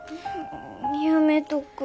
やめとく。